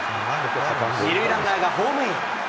２塁ランナーがホームイン。